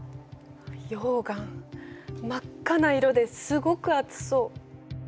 溶岩真っ赤な色ですごく熱そう。